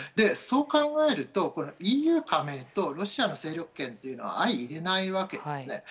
そう考えるとＥＵ加盟とロシアの勢力圏というのは相容れないわけですね。